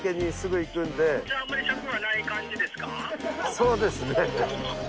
そうですね。